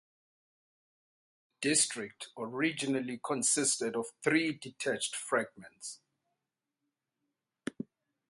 The district originally consisted of three detached fragments.